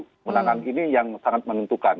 kemenangan ini yang sangat menentukan